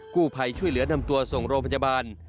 กู้ภัยช่วยเหลือนำตัวส่งโรงพยาบาล